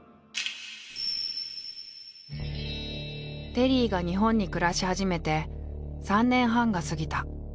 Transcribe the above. テリーが日本に暮らし始めて３年半が過ぎた。